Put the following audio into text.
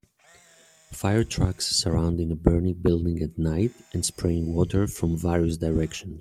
Firetrucks surrounding a burning building at night and spraying water from various directions.